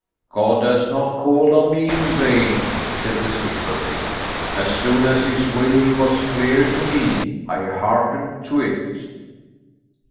"God has not called on me in vain," said the skipper. "As soon as His will was clear to me, I hearkened to it."